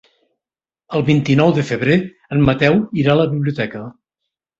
El vint-i-nou de febrer en Mateu irà a la biblioteca.